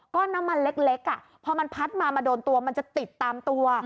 ก็น้ำมันเล็กพอมันพัดมามาโดนตัวมันจะติดตามตัว